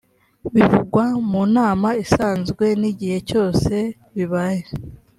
bivugwa mu nama isanzwe n’igihe cyose bibaye